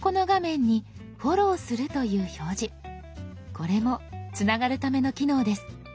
これもつながるための機能です。